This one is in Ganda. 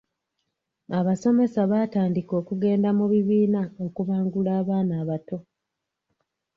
Abasomesa baatandika okugenda mu bibiina okubangula abaana abato.